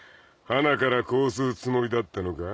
ハナからこうするつもりだったのか？